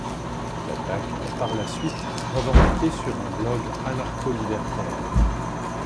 L'attaque est par la suite revendiquée sur un blog anarcho-libertaire.